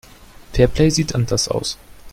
Fairplay sieht anders aus.